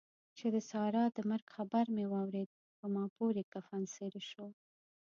چې د سارا د مرګ خبر مې واورېد؛ په ما پورې کفن څيرې شو.